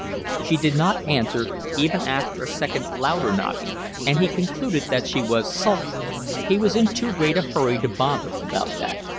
She did not answer, even after a second louder knocking, and he concluded that she was sulking. He was in too great a hurry to bother about that.